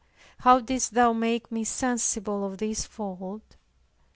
how didst Thou make me sensible of this fault?